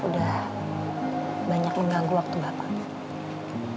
udah banyak mengganggu waktu bapak